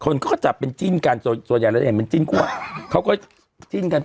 คนเขาก็จับเป็นจิ้นกันส่วนใหญ่เราจะเห็นเป็นจิ้นคั่วเขาก็จิ้นกัน